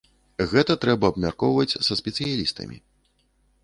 Гэта трэба абмяркоўваць са спецыялістамі.